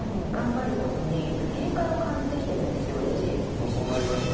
もうそうなりました？